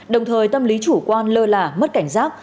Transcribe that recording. đồng thời tâm lý chủ quan lơ là mất cảnh giác